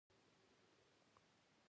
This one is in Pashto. مچان د تازه میوو بوی ته راځي